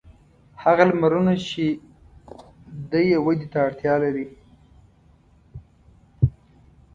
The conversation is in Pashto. هغه لمرونه چې دی یې ودې ته اړتیا لري.